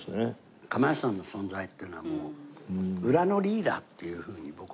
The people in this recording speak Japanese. かまやつさんの存在っていうのはもう裏のリーダーっていうふうに僕は。